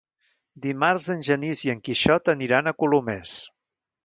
Dimarts en Genís i en Quixot aniran a Colomers.